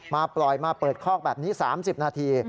มาปล่อยมาเปิดคอกแบบนี้๓๐นาที